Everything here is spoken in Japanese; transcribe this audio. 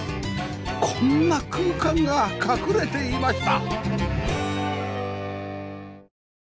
こんな空間が隠れていました